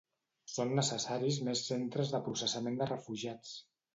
Són necessaris més centres de processament de refugiats.